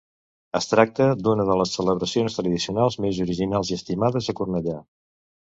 Es tracta d’una de les celebracions tradicionals més originals i estimades a Cornellà.